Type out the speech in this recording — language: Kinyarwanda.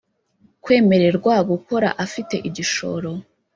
kwemererwa gukora afite igishoro